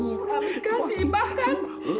amit kan si ibah kan